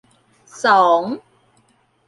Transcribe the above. สอง